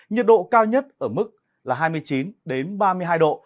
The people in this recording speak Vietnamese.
nhiệt độ cao nhất ở mức là hai mươi chín ba mươi hai độ